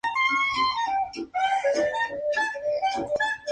Pero siempre depende de la cantidad incorporada al cuerpo.